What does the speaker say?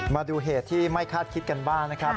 มาดูเหตุที่ไม่คาดคิดกันบ้างนะครับ